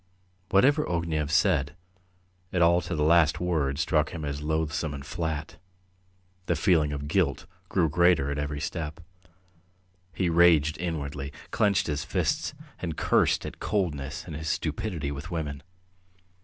Whatever Ognev said, it all to the last word struck him as loathsome and flat. The feeling of guilt grew greater at every step. He raged inwardly, clenched his fists, and cursed his coldness and his stupidity with women.